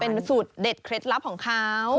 เป็นสูตรเด็ดเคล็ดลับของเขา